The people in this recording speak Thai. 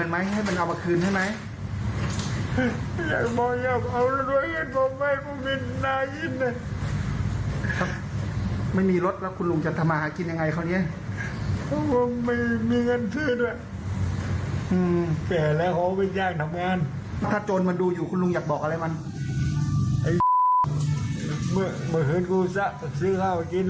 ไม่เห็นกูซะซื้อข้าวไปกินแล้วไม่รักเข้าหมายรถกูอีก